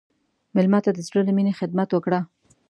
مېلمه ته د زړه له میني خدمت وکړه.